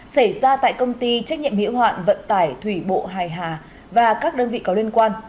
xảy ra tại công ty trách nhiệm hiệu hoạn vận tải thủy bộ hài hà và các đơn vị có liên quan